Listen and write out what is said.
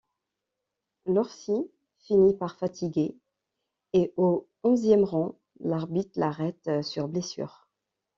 Lorcy finit par fatiguer et au onzième round, l'arbitre l'arrête sur blessure.